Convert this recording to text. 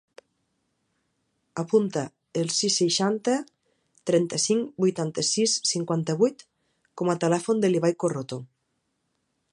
Apunta el sis, seixanta, trenta-cinc, vuitanta-sis, cinquanta-vuit com a telèfon de l'Ibai Corroto.